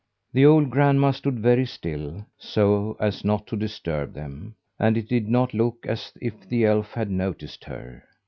The old grandma stood very still, so as not to disturb them; and it did not look as if the elf had noticed her.